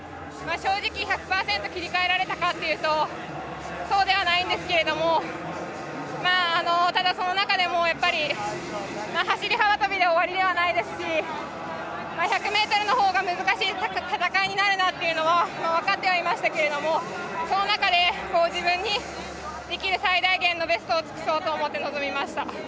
正直、１００％切り替えられたかというとそうではないんですけれどもただ、その中でも走り幅跳びで終わりではないですし１００ｍのほうが難しい戦いになるなというのは分かってはいましてけどもその中で自分にできる最大限のベストを尽くそうと思って臨みました。